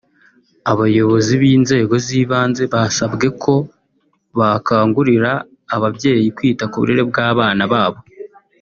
abayobozi b’Inzego z’Ibanze basabwe ko bakangurira ababyeyi kwita ku burere bw’abana babo